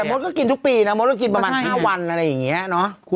มดก็กินทุกปีนะมดก็กินประมาณ๕วันอะไรอย่างนี้เนอะ